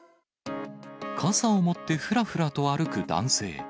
傘を持ってふらふらと歩く男性。